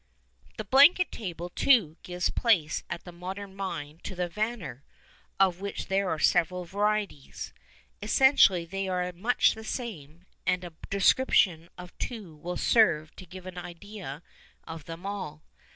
The blanket table, too, gives place at the modern mine to the "vanner," of which there are several varieties. Essentially they are much the same, and a description of two will serve to give an idea of them all.